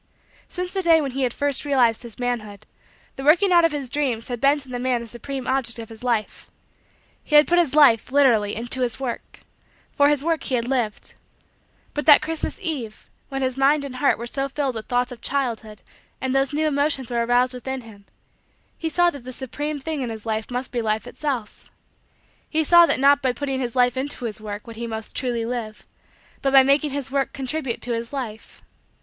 Since the day when he had first realized his manhood, the working out of his dreams had been to the man the supreme object of his life. He had put his life, literally, into his work. For his work he had lived. But that Christmas eve, when his mind and heart were so filled with thoughts of childhood and those new emotions were aroused within him, he saw that the supreme thing in his life must be Life itself. He saw that not by putting his life into his work, would he most truly live, but by making his work contribute to his life.